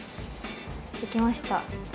できました。